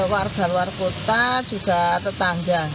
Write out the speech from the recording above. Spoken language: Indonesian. warga luar kota juga tetangga